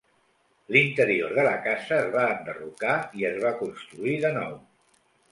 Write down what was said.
L'interior de la casa es va enderrocar i es va construir de nou.